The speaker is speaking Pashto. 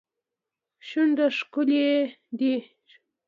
شونډه ښکلې دي.